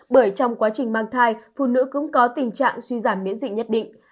bởi trong quá trình mang thai phụ nữ cũng có tình trạng suy giảm miễn dịch nhất định